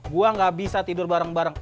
gue gak bisa tidur bareng bareng